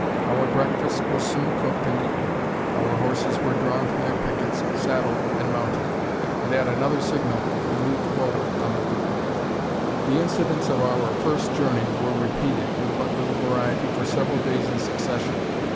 Our breakfast was soon cooked and eaten; our horses were drawn from their pickets, saddled, and mounted; and at another signal we moved forward on the route. The incidents of our first journey were repeated, with but little variety, for several days in succession.